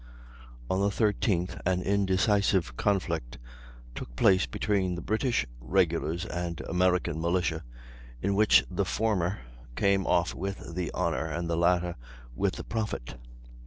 On the 13th an indecisive conflict took place between the British regulars and American militia, in which the former came off with the honor, and the latter with the profit.